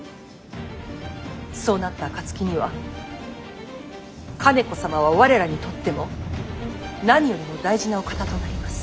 そうなった暁には兼子様は我らにとっても何よりも大事なお方となります。